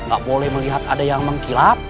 gak boleh melihat ada yang mengkilap